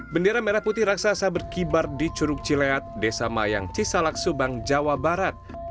bendera merah putih raksasa berkibar di curug cileat desa mayang cisalak subang jawa barat